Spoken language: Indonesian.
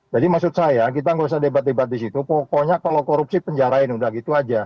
jadi maksud saya kita gak usah debat debat disitu pokoknya kalau korupsi penjarain udah gitu aja